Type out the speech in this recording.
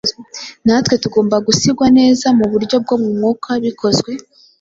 natwe tugomba gusigwa neza mu buryo bwo mu mwuka bikozwe